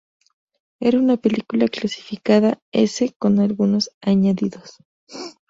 Era una película clasificada S con algunos añadidos.